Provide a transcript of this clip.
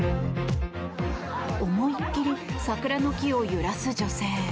思いっきり桜の木を揺らす女性。